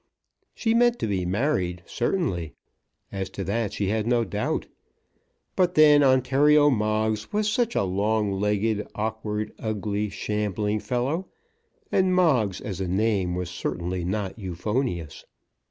She meant to be married certainly. As to that she had no doubt. But then Ontario Moggs was such a long legged, awkward, ugly, shambling fellow, and Moggs as a name was certainly not euphonious.